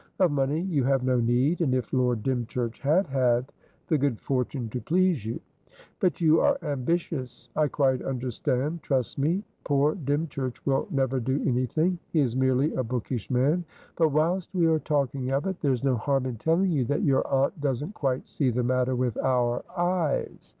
Of money you have no need, and, if Lord Dymchurch had had the good fortune to please you. But you are ambitious. I quite understand; trust me. Poor Dymchurch will never do anything. He is merely a bookish man. But, whilst we are talking of it, there's no harm in telling you that your aunt doesn't quite see the matter with our eyes.